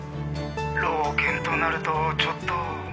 老犬となるとちょっと。